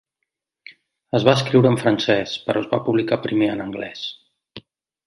Es va escriure en francès, però es va publicar primer en anglès.